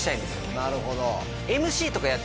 なるほど。